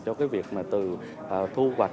cho việc từ thu hoạch